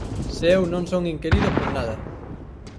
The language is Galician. Se eu non son inquerido por nada.